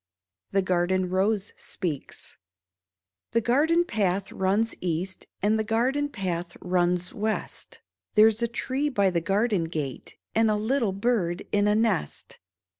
{The Garden Rose speaks.') The garden path runs east. And the garden path runs west ; There's a tree by the garden gate, And a little bird in a nest.